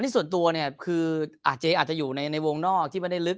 ส่วนตัวพี่เจศียก็จะอยู่ในวงนอกที่ไม่ได้ลึก